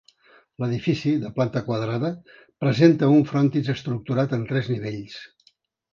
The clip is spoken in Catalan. L'edifici, de planta quadrada, presenta un frontis estructurat en tres nivells.